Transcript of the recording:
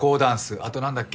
あと何だっけ？